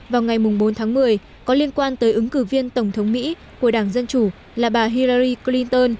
vào ngày bốn tháng một mươi có liên quan tới ứng cử viên tổng thống mỹ của đảng dân chủ là bà hirari clinton